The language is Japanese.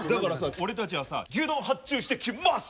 俺たちはさ牛丼発注してきます！